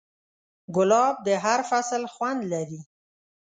ګلاب د هر فصل خوند لري.